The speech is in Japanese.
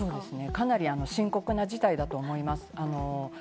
かなり深刻な事態だと思います。